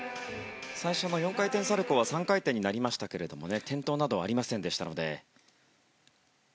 最初の４回転サルコウは３回転になりましたが転倒などはありませんでしたので。